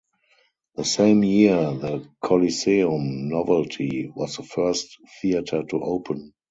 The same year "The Coliseum Novelty" was the first theater to open.